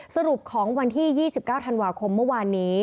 สรุปของวันที่๒๙ธันวาคมเมื่อวานนี้